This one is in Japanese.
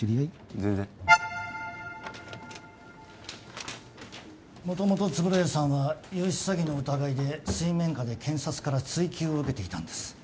全然元々円谷さんは融資詐欺の疑いで水面下で検察から追及を受けていたんです